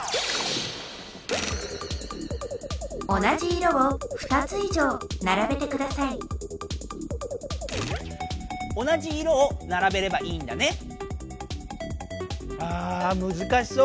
同じ色をならべればいいんだね。